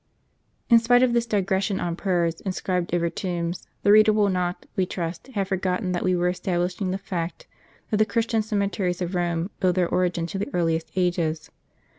In spite of this digression on prayers inscribed over tombs, the reader will not, we trust, have forgotten, that we were establishing the fact, that the Christian cemeteries of Eome owe their origin to the earliest ages.